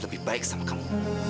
lebih baik sama kamu